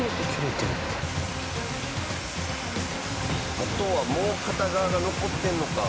あとはもう片側が残ってるのか。